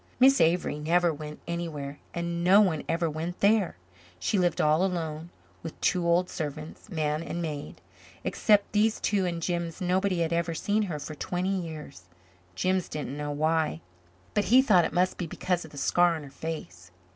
Miss Avery never went anywhere and no one ever went there. She lived all alone with two old servants, man and maid. Except these two and Jims nobody had ever seen her for twenty years. Jims didn't know why, but he thought it must be because of the scar on her face.